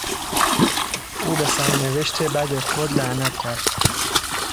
او به سرنوشت بد خود لعنت کرد.